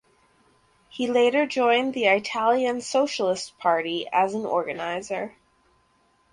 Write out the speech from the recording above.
He later joined the Italian Socialist Party as an organizer.